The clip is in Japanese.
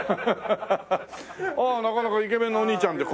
なかなかイケメンのお兄ちゃんで。